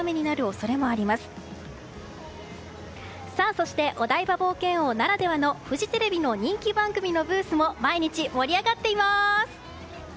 そして、お台場冒険王ならではのフジテレビの人気番組のブースも毎日、盛り上がっています！